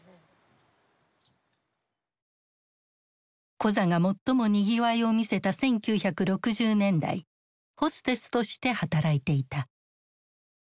コザが最もにぎわいを見せた１９６０年代ホステスとして働いていた。